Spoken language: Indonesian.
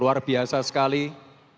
orang yang dipermenbm